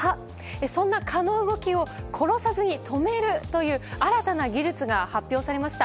そんな蚊の動きを殺さずに止めるという新たな技術が発表されました。